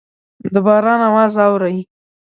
د باران اواز اورئ